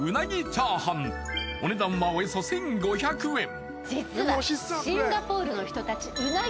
チャーハンお値段はおよそ１５００円